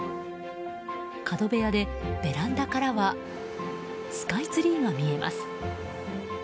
角部屋で、ベランダからはスカイツリーが見えます。